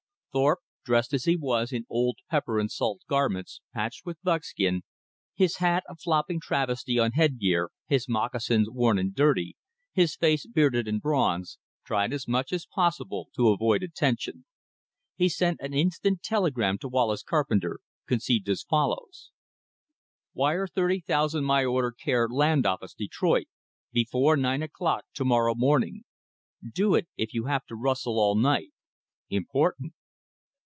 Thorpe, dressed as he was in old "pepper and salt" garments patched with buckskin, his hat a flopping travesty on headgear, his moccasins, worn and dirty, his face bearded and bronzed, tried as much as possible to avoid attention. He sent an instant telegram to Wallace Carpenter conceived as follows: "Wire thirty thousand my order care Land Office, Detroit, before nine o'clock to morrow morning. Do it if you have to rustle all night. Important."